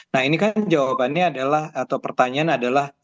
nah ini kan jawabannya adalah atau pertanyaan adalah